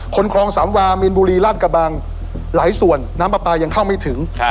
คลองสามวามีนบุรีราชกระบังหลายส่วนน้ำปลาปลายังเข้าไม่ถึง